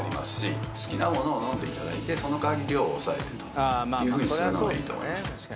好きなものを飲んでいただいてその代わり量を抑えてというふうにするのがいいと思います。